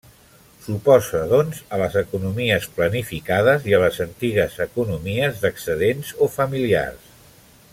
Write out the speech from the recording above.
S'oposa doncs a les economies planificades i a les antigues economies d'excedents o familiars.